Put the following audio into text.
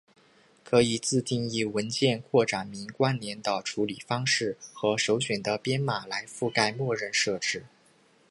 可以自定义文件扩展名关联的处理方式和首选的编码来覆盖默认设置。